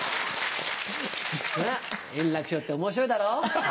ほら円楽師匠って面白いだろ。